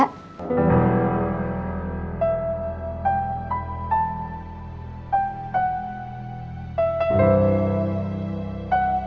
kitanya dia dengan yang pratis